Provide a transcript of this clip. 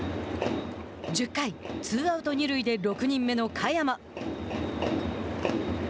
１０回、ツーアウト、二塁で６人目の嘉弥真。